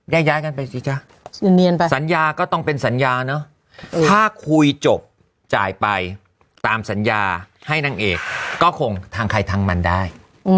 ย้ายกันไปสิจ๊ะสัญญาก็ต้องเป็นสัญญาเนอะถ้าคุยจบจ่ายไปตามสัญญาให้นางเอกก็คงทางใครทางมันได้